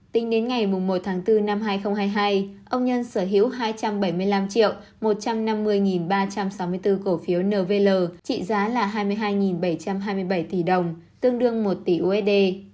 tính đến ngày một tháng bốn năm hai nghìn hai mươi hai ông nhân sở hữu hai trăm bảy mươi năm một trăm năm mươi ba trăm sáu mươi bốn cổ phiếu nvl trị giá là hai mươi hai bảy trăm hai mươi bảy tỷ đồng tương đương một tỷ usd